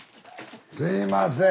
すいません。